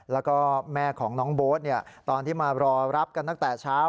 แล้วก็แม่ของน้องโบ๊ทตอนที่มารอรับกันตั้งแต่เช้า